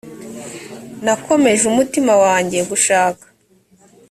nakomeje umutima wanjye gushaka